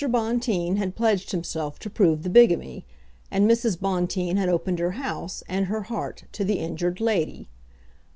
Bonteen had pledged himself to prove the bigamy, and Mrs. Bonteen had opened her house and her heart to the injured lady.